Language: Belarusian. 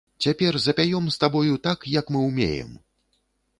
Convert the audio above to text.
Цяпер запяём з табою так, як мы ўмеем!